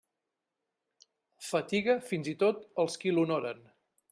Fatiga fins i tot els qui l'honoren.